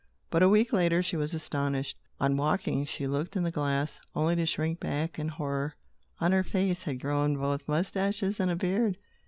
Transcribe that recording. But a week later, she was astonished. On waking, she looked in the glass, only to shrink back in horror. On her face had grown both moustaches and a beard.